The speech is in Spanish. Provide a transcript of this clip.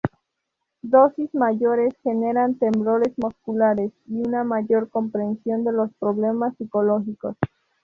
Dosis mayores generan temblores musculares y una mayor comprensión de los problemas psicológicos.